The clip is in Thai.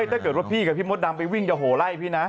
ถ้าเกิดว่าพี่กับพี่มดดำไปวิ่งจะโหไล่พี่นะ